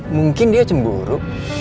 mungkin dia cemburu